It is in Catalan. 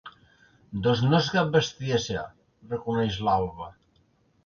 Doncs no és cap bestiesa —reconeix l'Alva—.